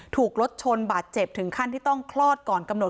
ถูกรถชนบาดเจ็บถึงขั้นที่ต้องคลอดก่อนกำหนด